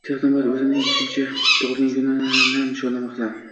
Texnomart o‘zining o‘n uchinchi “tug‘ilgan kun”ini nishonlamoqda